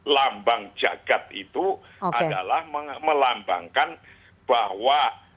lambang jagad itu adalah melambangkan bahwa